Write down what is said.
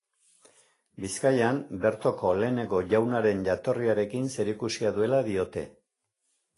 Bizkaian bertoko lehenengo Jaunaren jatorriarekin zerikusia duela diote.